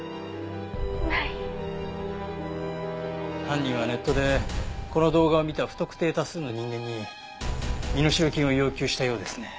犯人はネットでこの動画を見た不特定多数の人間に身代金を要求したようですね。